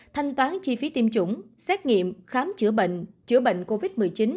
thanh toán chi phí tiêm chủng xét nghiệm khám chữa bệnh chữa bệnh covid một mươi chín